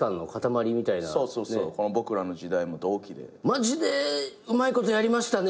マジでうまいことやりましたね